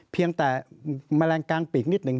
เพียงแต่แมลงกลางปีกนิดหนึ่ง